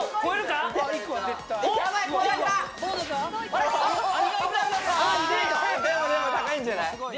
あでもでも高いんじゃない？